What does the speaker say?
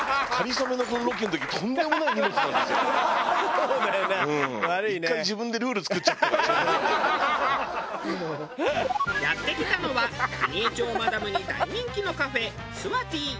こうやって「ハハハハ！」やって来たのは蟹江町マダムに大人気のカフェスワティ。